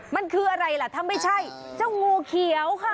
มันคืออะไรล่ะถ้าไม่ใช่เจ้างูเขียวค่ะ